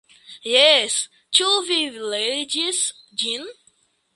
Jes, ĉu vi legis ĝin?